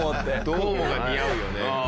「どうも」が似合うよね。